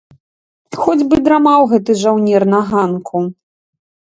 Хоць бы драмаў гэты жаўнер на ганку.